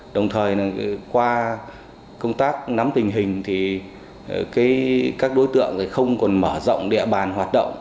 đồng thời qua công tác nắm tình hình thì các đối tượng không còn mở rộng địa bàn hoạt động